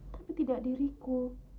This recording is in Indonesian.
tapi tidak diriku